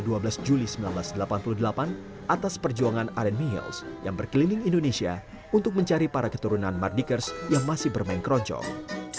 menu album yang akan diadakan pada empat belas juli seribu sembilan ratus delapan puluh delapan atas perjuangan aaron meales yang berkeliling indonesia untuk mencari para keturunan mardikas yang masih bermain keroncong